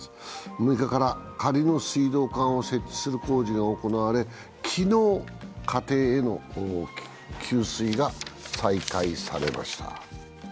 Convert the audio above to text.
６日から仮の水道管を設置する工事が行われ昨日、家庭への給水が再開されました。